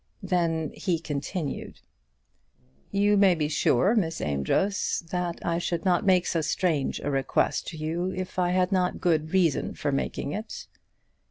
Then he continued, "You may be sure, Miss Amedroz, that I should not make so strange a request to you if I had not good reason for making it."